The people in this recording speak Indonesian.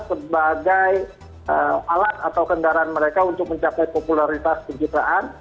sebagai alat atau kendaraan mereka untuk mencapai popularitas penciptaan